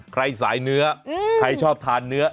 สายเนื้อใครชอบทานเนื้อ